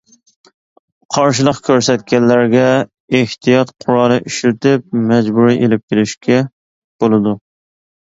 قارشىلىق كۆرسەتكەنلەرگە، ئېھتىيات قورالى ئىشلىتىپ مەجبۇرىي ئېلىپ كېلىشكە بولىدۇ.